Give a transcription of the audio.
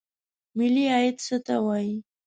ملي عاید څه ته وایي؟